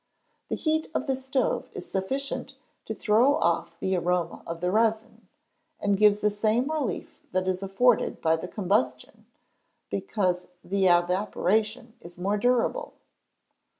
The heat of the stove is sufficient to throw off the aroma of the resin, and gives the same relief that is afforded by the combustion, because the evaporation is more durable.